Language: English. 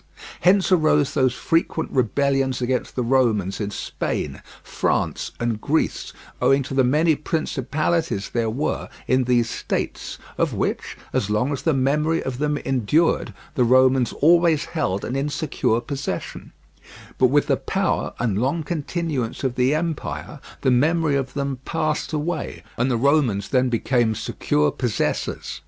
Hence arose those frequent rebellions against the Romans in Spain, France, and Greece, owing to the many principalities there were in these states, of which, as long as the memory of them endured, the Romans always held an insecure possession; but with the power and long continuance of the empire the memory of them passed away, and the Romans then became secure possessors.